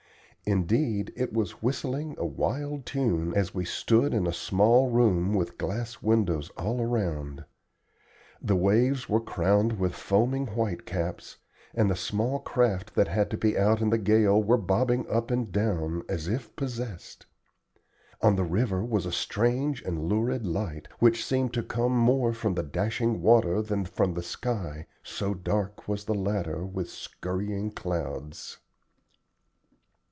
Indeed it was whistling a wild tune as we stood in a small room with glass windows all round. The waves were crowned with foaming white caps, and the small craft that had to be out in the gale were bobbing up and down, as if possessed. On the river was a strange and lurid light, which seemed to come more from the dashing water than from the sky, so dark was the latter with skurrying clouds.